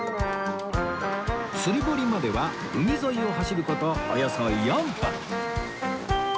釣り堀までは海沿いを走る事およそ４分